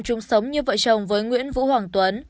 chung sống như vợ chồng với nguyễn vũ hoàng tuấn